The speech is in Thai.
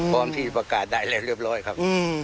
พร้อมที่ประกาศได้แล้วเรียบร้อยครับ